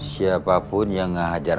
siapapun yang ngehajar